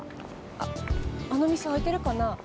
あっあのみせあいてるかな。